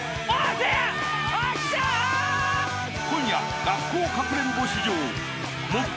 ［今夜学校かくれんぼ］